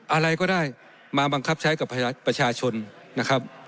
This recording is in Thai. อะไรก็ได้มาบังคับใช้กับประชาชนนะครับ